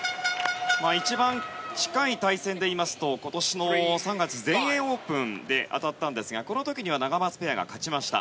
一番近い対戦で言いますと今年の３月、全英オープンで当たったんですがこの時にはナガマツペアが勝ちました。